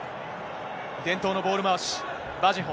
伝統のボール回し、バジェホ。